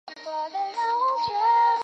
抚仙粘体虫为粘体科粘体虫属的动物。